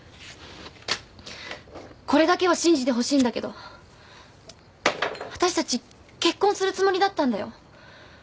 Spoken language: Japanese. これだけは信じてほしいんだけどわたしたち結婚するつもりだったんだよ。